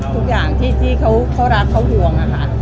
ทุกอย่างที่เขารักเขาห่วงค่ะ